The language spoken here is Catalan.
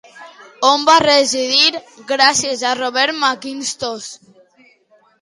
On va residir gràcies a Robert Mackintosh?